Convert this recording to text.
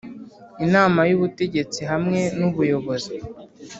Inama y Ubutegetsi hamwe n Ubuyobozi